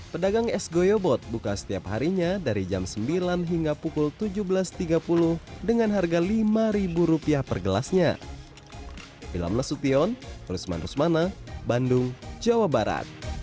pedagang es goyobot buka setiap harinya dari jam sembilan hingga pukul tujuh belas tiga puluh dengan harga rp lima per gelasnya